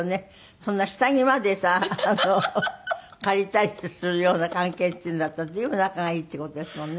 そんな下着までさ借りたりするような関係っていうんだったら随分仲がいいっていう事ですもんね。